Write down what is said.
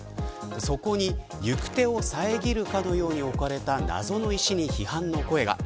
そこに、行く手をさえぎるかのように置かれた謎の石に批判の声が。